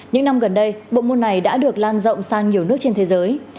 những năm gần đây bộ môn này đã được lan rộng sang nhiều nước trên thế giới